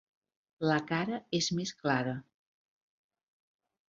La cara és més clara.